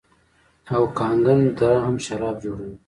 اوکاناګن دره هم شراب جوړوي.